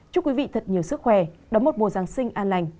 chúc quý vị thật nhiều sức khỏe đóng một mùa giáng sinh an lành